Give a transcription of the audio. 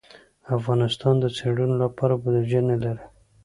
افغانستان د څېړنو لپاره بودیجه نه لري.